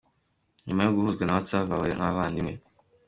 Nyuma yo guhuzwa na Whatsapp babaye nk'abavandimwe.